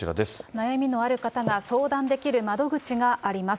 悩みのある方が相談できる窓口があります。